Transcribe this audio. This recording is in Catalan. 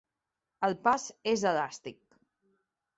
El pas és elàstic.